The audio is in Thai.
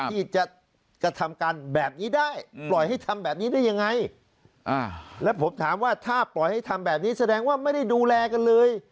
ที่จะกระทำการแบบนี้ได้ปล่อยให้ทำแบบนี้ได้ยังไงแล้วผมถามว่าถ้าปล่อยให้ทำแบบนี้แสดงว่าไม่ได้ดูแลกันเลย